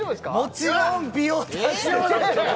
もちろん美容大使ですよ